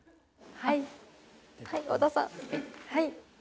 はい。